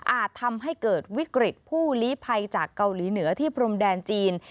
ทำให้เกิดวิกฤตผู้ลีภัยจากเกาหลีเหนือที่พรมแดนจีน